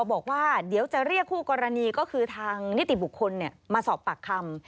บอกว่าเดี๋ยวจะเรียกคู่กรณีก็คือทางนิติบุคคลมาสอบปากคำ